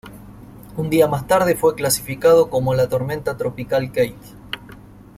Un día más tarde fue clasificado como la tormenta tropical Keith.